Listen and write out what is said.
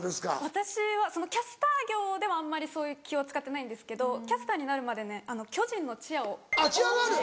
私はキャスター業ではあんまり気を使ってないんですけどキャスターになるまで巨人のチアを。